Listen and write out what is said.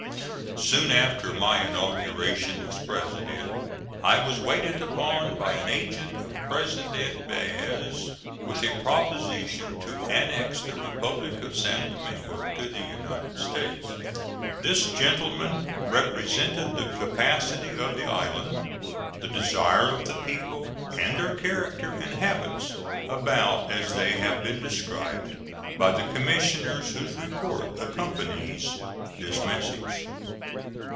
Soon after my inauguration as President I was waited upon by an agent of President Baez with a proposition to annex the Republic of San Domingo to the United States. This gentleman represented the capacity of the island, the desire of the people, and their character and habits about as they have been described by the commissioners whose report accompanies this message.